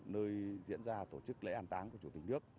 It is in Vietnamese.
nơi diễn ra tổ chức lễ an táng của chủ tịch nước